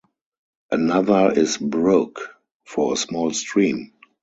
Another is "brook", for a small stream.